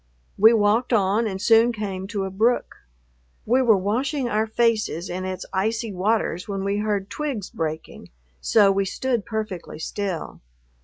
We walked on and soon came to a brook. We were washing our faces in its icy waters when we heard twigs breaking, so we stood perfectly still.